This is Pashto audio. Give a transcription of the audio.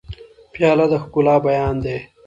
پیاله د ښکلا بیان دی.